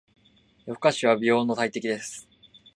夜更かしは美容の大敵です。